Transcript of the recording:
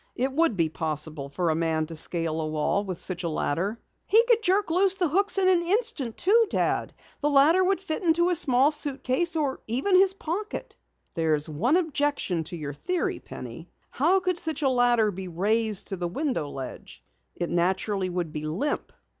It would be possible for a man to scale a wall with such a ladder." "He could jerk loose the hooks in an instant, too, Dad. The ladder would fit into a small suitcase, or even his pocket!" "There's one objection to your theory, Penny. How could such a ladder be raised to the window ledge? It naturally would be limp."